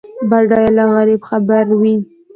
بډای له غریب خبر وي.